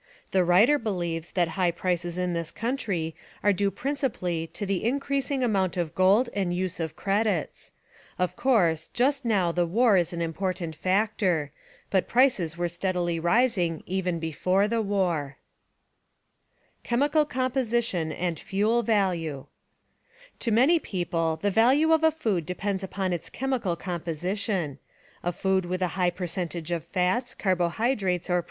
The writer believes that high prices in this country are due principally to the increasing amount of gold and use of credits. Of course, just now the war is an important factor; but prices were steadily rising even before the war.* Chemical Composition and Fuel Value To many people the value of a food depends upon its chemical composition. A food with a high percentage of fats, carbohydrates or *See Irving Fisher, Elementary Principles of Economics, N. Y.